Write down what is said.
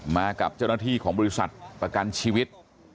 มากับเจ้าหน้าที่ของบริษัทประกันชีวิต